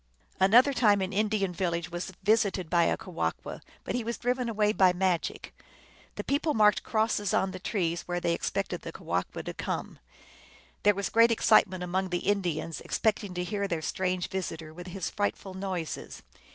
Another time an Indian village was visited by a THE CHENOO LEGENDS. 249 Ke wall qu , but he was driven away by magic. The people marked crosses on the trees where they ex pected the Kewahqu to come. There was a great ex citement among the Indians, expecting to hear their strange visitor with his frightful noises.